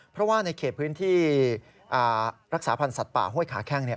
เพราะว่าในเขตพื้นที่รักษาพันธ์สัตว์ป่าห้วยขาแข้งเนี่ย